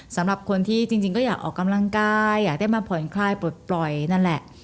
สำหรับคนที่จริงก็อยากออกกำลังกายอยากได้มาผ่อนคลายปลดปล่อยนั่นแหละ